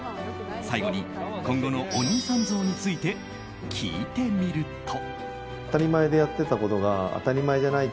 最後に、今後のお兄さん像について聞いてみると。